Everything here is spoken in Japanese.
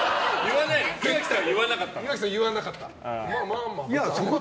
岩城さん、言わなかったの？